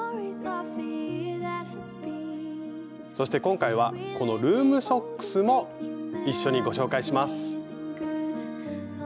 そして今回はこのルームソックスも一緒にご紹介します。